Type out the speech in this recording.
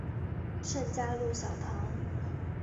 圣嘉禄小堂。